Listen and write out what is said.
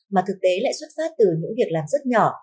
mà thực tế lại xuất phát từ những việc làm rất nhỏ